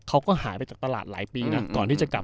เขาก็หายไปจากตลาดหลายปีนะ